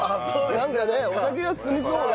なんかねお酒が進みそうな。